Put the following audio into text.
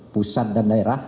pusat dan daerah